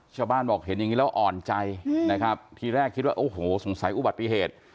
ชาวบ้านบอกเห็นอย่างนี้แล้วอ่อนใจนะครับทีแรกคิดว่าโอ้โหสงสัยอุบัติเหตุ